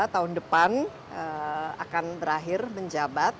tahun depan akan berakhir menjabat